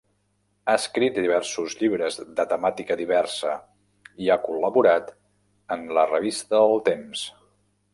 Ha escrit diversos llibres de temàtica diversa i ha col·laborat en la revista El Temps.